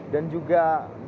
dan juga jawa bagian barat